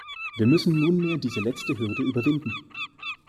Wir müssen nunmehr diese letzte Hürde überwinden.